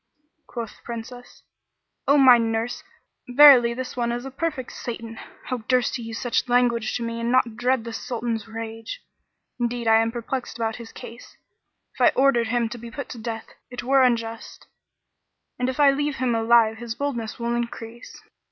Quoth the Princess, "O my nurse, verily this one is a perfect Satan! How durst he use such language to me and not dread the Sultan's rage. Indeed, I am perplexed about his case: if I order him to be put to death, it were unjust; and if I leave him alive his boldness will increase."